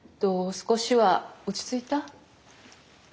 少しは落ち着いた？